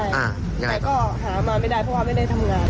แต่ก็หามาไม่ได้เพราะว่าไม่ได้ทำงาน